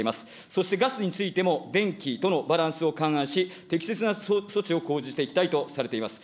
そしてガスについても、電気とのバランスを勘案し、適切な措置を講じていきたいとされています。